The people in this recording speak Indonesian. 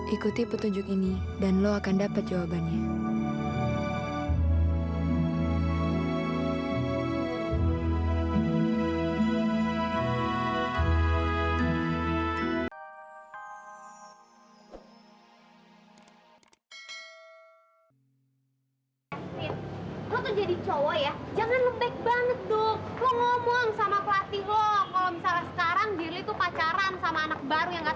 ikuti petunjuk ini dan lo akan dapat jawabannya